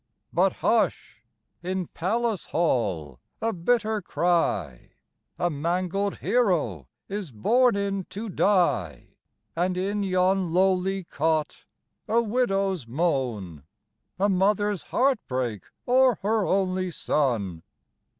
But hush! In palace hall a bitter cry; A mangled hero is borne in to die; And in yon lowly cot, a widow's moan; A mother's heart break o'er her only son.